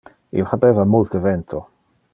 Il habeva multe vento.